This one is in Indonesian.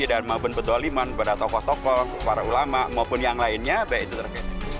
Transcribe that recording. dan maupun betuliman pada tokoh tokoh para ulama maupun yang lainnya baik itu terkait